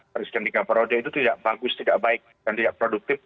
presiden tiga periode itu tidak bagus tidak baik dan tidak produktif